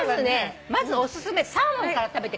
まずお薦めサーモンから食べてくれる？